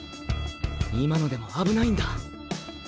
今のでも危ないんだ。